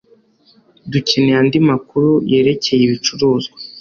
Dukeneye andi makuru yerekeye ibicuruzwa